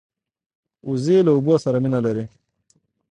وزې له اوبو سره مینه لري